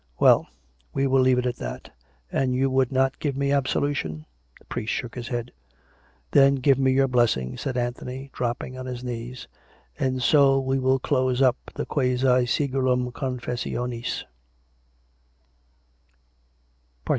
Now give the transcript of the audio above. Well ; we will leave it at that. And you would not give me absolution ?" The priest shook his head. " Then give me your blessing," said Anthony, dropping on his knees. " And so we will close up the quasi sigillum confessionis."